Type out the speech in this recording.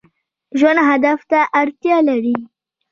ژوند هدف ته اړتیا لري